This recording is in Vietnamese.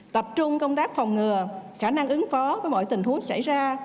tập trung công tác phòng ngừa khả năng ứng phó với mọi tình huống xảy ra